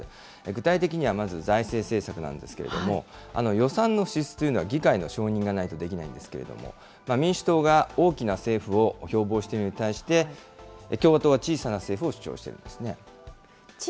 具体的にはまず財政政策なんですけれども、予算の支出というのは、議会の承認がないとできないんですけれども、民主党が大きな政府を標ぼうしているのに対して、共和党は小さな政府を主張しているんですね。